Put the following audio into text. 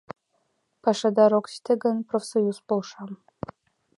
Пашадар ок сите гын, профсоюз полша.